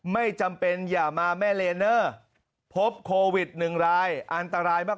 ไม่จำเป็นอย่ามาแม่เลเนอร์พบโควิด๑รายอันตรายมาก